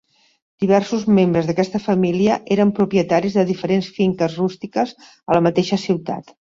Diversos membres d'aquesta família eren propietaris de diferents finques rústiques a la mateixa ciutat.